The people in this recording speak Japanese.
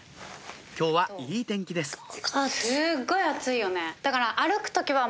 今日はいい天気ですだけど。